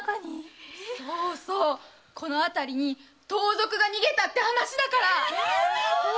そうそうこのあたりに盗賊が逃げたって話だから。